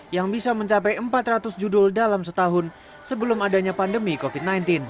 yang bisa mencapai empat ratus judul dalam setahun sebelum adanya pandemi covid sembilan belas